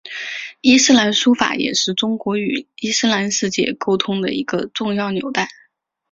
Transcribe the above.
伊斯兰书法也是中国与伊斯兰世界沟通的一个重要纽带。